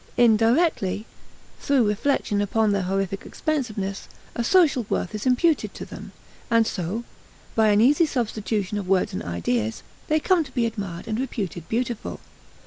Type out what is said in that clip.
Indirectly, through reflection upon their honorific expensiveness, a social worth is imputed to them; and so, by an easy substitution of words and ideas, they come to be admired and reputed beautiful.